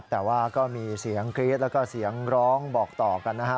แต่ว่าก็มีเสียงกรี๊ดแล้วก็เสียงร้องบอกต่อกันนะฮะ